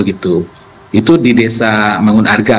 itu di desa mangunarga